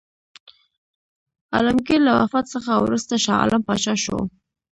عالمګیر له وفات څخه وروسته شاه عالم پاچا شو.